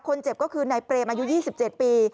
คนเจ็บก็คือนายเปรมอายุ๒๗ปี